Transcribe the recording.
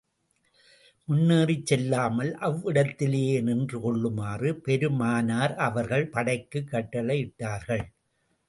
முன்னேறிச் செல்லாமல், அவ்விடத்திலேயே நின்று கொள்ளுமாறு பெருமானார் அவர்கள் படைக்குக் கட்டளை இட்டார்கள்.